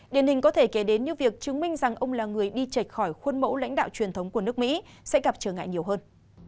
điển hình có thể kể đến như việc chứng minh rằng ông là người đi chạch khỏi khuôn mẫu lãnh đạo truyền thống của nước mỹ sẽ gặp trở ngại nhiều hơn